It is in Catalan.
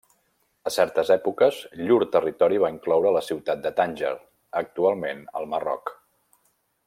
A certes èpoques llur territori va incloure la ciutat de Tànger, actualment al Marroc.